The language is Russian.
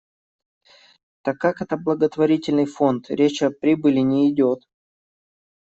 Так как это благотворительный фонд, речь о прибыли не идёт.